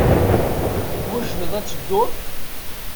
Twejdeḍ ad tedduḍ?